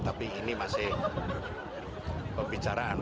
tapi ini masih pembicaraan